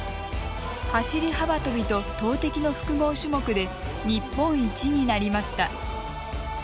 走り幅跳びと投てきの複合種目で日本一になりました。